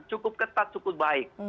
cukup ketat cukup baik